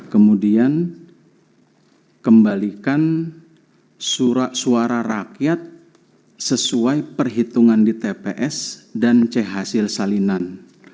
kemudian kembalikan surat suara rakyat sesuai perhitungan di tps dan chasil salinan